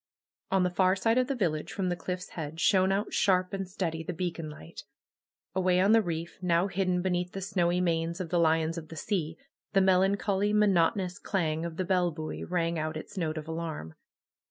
On the far side of the village from the cliff^s head shone out shar}) and steady the beacon light. Away on the reef, now hidden beneath the snowy manes of the lions of the sea, the melancholy, monotonous clang of the bell buoy rang out its note of alarm.